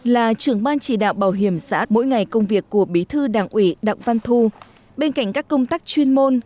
là trưởng ban chỉ đạo bảo hiểm xã mỗi ngày công việc của bí thư đảng ủy đặng văn thu bên cạnh các công tác chuyên môn